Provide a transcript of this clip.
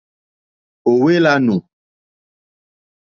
Ò hwé !lánù.